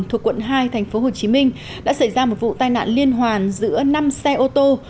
thuộc quận hai thành phố hồ chí minh đã xảy ra một vụ tai nạn liên hoàn giữa năm xe ô tô